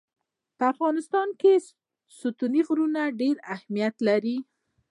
په افغانستان کې ستوني غرونه ډېر اهمیت لري.